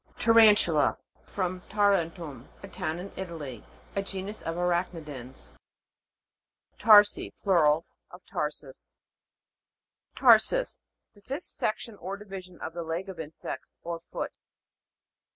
TAREN'TULA. From Tarentum, a town in Italy. A genus of arach' nidans. TAR'SI. Plural of tarsus. TAR'SUS. The fifth section or divi sion of the leg of insects, or foot.